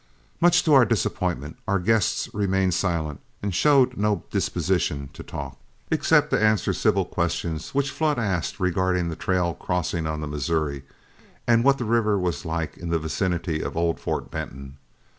Much to our disappointment, our guests remained silent and showed no disposition to talk, except to answer civil questions which Flood asked regarding the trail crossing on the Missouri, and what that river was like in the vicinity of old Fort Benton.